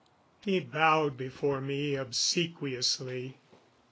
He bowed before me obsequiously.